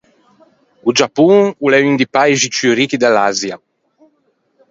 O Giappon o l’é un di paixi ciù ricchi de l’Asia.